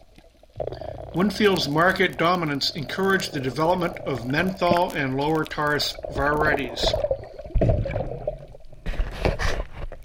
Winfield's market dominance encouraged the development of menthol and lower tar varieties.